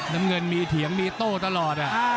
น้ำเงินมีเถียงมีโต้ตลอด